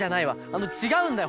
あのちがうんだよ。